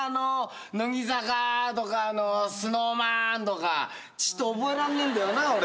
乃木坂とかＳｎｏｗＭａｎとかちと覚えらんねえんだよな俺。